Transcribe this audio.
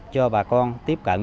cho bà con tiếp cận